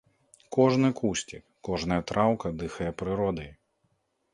Кожны кусцік, кожная траўка дыхае прыродай.